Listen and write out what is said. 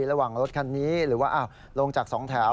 ระหว่างรถคันนี้หรือว่าลงจาก๒แถว